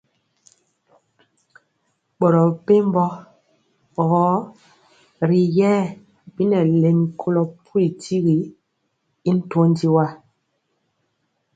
Boro mɛ pɛmbɔ rori yɛɛ bi nɛ lɛmi kolo pulu tyigi y ntɔndi wa.